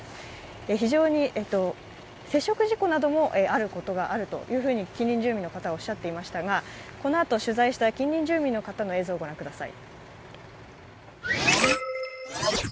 非常に接触事故などもあるということを近隣住民の方もおっしゃっていましたがこのあと取材した近隣住民の方の映像を御覧ください。